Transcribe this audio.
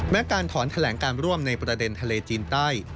การถอนแถลงการร่วมในประเด็นทะเลจีนใต้